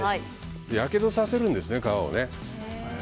やけどさせるんですね、皮をね。